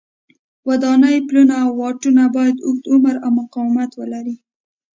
ودانۍ، پلونه او واټونه باید اوږد عمر او مقاومت ولري.